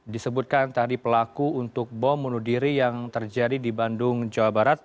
disebutkan tadi pelaku untuk bom bunuh diri yang terjadi di bandung jawa barat